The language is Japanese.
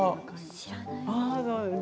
知らない。